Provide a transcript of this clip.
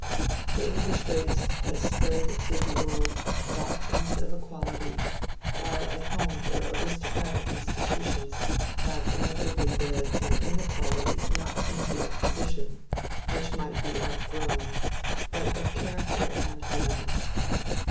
" The English race has spread through the world doctrines of equality, while at home their aristocratic institu* tions have inevitably bred an inequality not simply of posi tion, which might be outgrown, but of character and manners.